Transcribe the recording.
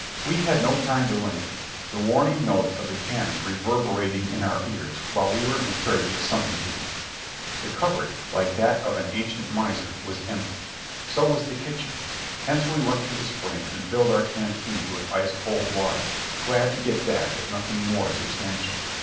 We had no time to linger, the warning notes of the cannon reverberating in our ears while we were in search of something to eat. The cupboard, like that of an ancient miser, was empty ; so was the kitchen, hence we went to the spring and filled our canteens with ice cold water, glad to get that if nothing more substantial.